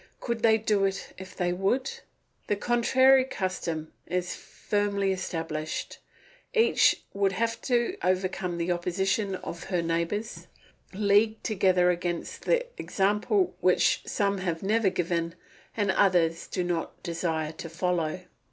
Could they do it if they would? The contrary custom is firmly established; each would have to overcome the opposition of her neighbours, leagued together against the example which some have never given and others do not desire to follow.